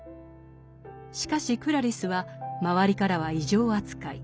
しかしクラリスは周りからは異常扱い。